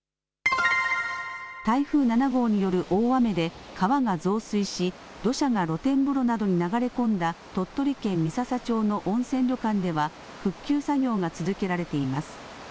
台風７号による大雨で川が増水し土砂が露天風呂などに流れ込んだ鳥取県三朝町の温泉旅館では復旧作業が続けられています。